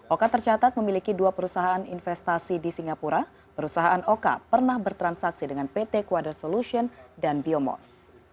oka tercatat memiliki dua perusahaan investasi di singapura perusahaan oka pernah bertransaksi dengan pt quader solution dan biomop